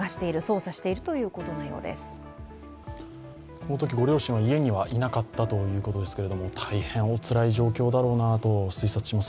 このときご両親は家にはいなかったということですが、大変おつらい状況だろうなと推察します。